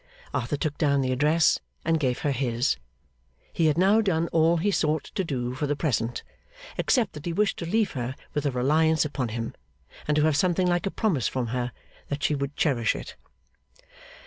Arthur took down the address and gave her his. He had now done all he sought to do for the present, except that he wished to leave her with a reliance upon him, and to have something like a promise from her that she would cherish it.